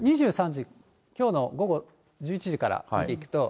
２３時、きょうの午後１１時から見ていくと。